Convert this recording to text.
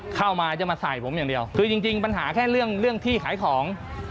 เข้ามาจะมาใส่ผมอย่างเดียวคือจริงปัญหาแค่เรื่องเรื่องที่ขายของ